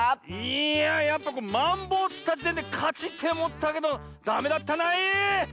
いややっぱマンボウつったじてんでかちっておもったけどダメだったない！